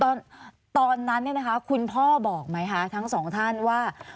ตอนนั้นเนี่ยนะคะคุณพ่อบอกไหมคะทั้งสองท่านว่า